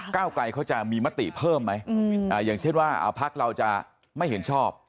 เก้าไกลเขาจะมีมติเพิ่มไหมอย่างเช่นว่าพักเราจะไม่เห็นชอบ